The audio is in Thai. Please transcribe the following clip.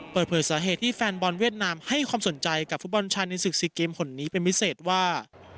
เปิดเผยสาเหตุที่แฟนบอลเวียดนามให้ความสนใจกับฟุตบอลชายในศึก๔เกมคนนี้เป็นพิเศษว่า